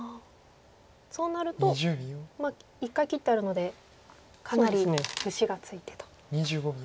そうなるとまあ一回切ってあるのでかなり節がついてと。